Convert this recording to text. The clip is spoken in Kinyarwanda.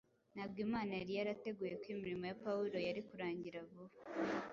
Ntabwo Imana yari yarateguye ko imirimo ya Pawulo yari kurangira vuba;